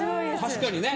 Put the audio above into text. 確かにね。